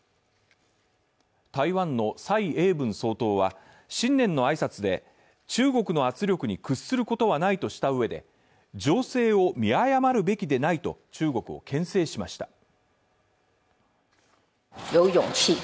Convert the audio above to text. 台湾の蔡英文総統は、新年の挨拶で中国の圧力に屈することはないとしたうえで情勢を見誤るべきでないと中国をけん制しました。